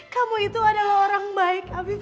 kamu itu adalah orang baik abib